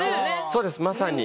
そうですまさに。